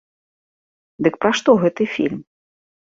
Дык пра што гэты фільм?